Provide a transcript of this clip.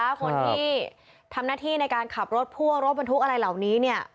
คนที่ทำหน้าที่ในการขับรถพ่วงรถบรรทุกอะไรเหล่านี้เนี่ย